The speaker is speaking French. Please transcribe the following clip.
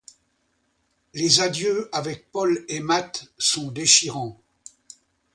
Les adieux avec Paul et Matt sont déchirants.